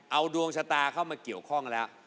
เอาดวงชะตาเข้ามาเกี่ยวข้องแล้ว